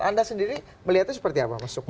anda sendiri melihatnya seperti apa mas suko